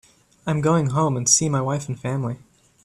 I'm going home and see my wife and family.